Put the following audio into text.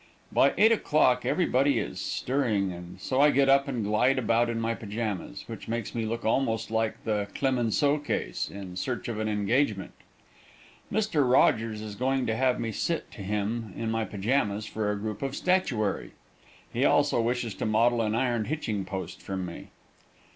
By eight o'clock everybody is stirring, and so I get up and glide about in my pajamas, which makes me look almost like the "Clémenceau Case" in search of an engagement. Mr. Rogers is going to have me sit to him in my pajamas for a group of statuary. He also wishes to model an iron hitching post from me.